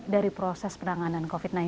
dari proses penanganan covid sembilan belas